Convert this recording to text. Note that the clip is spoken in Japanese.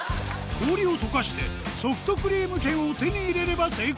氷をとかして、ソフトクリーム券を手に入れれば成功。